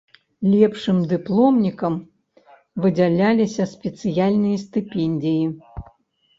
Лепшым дыпломнікам выдзяляліся спецыяльныя стыпендыі.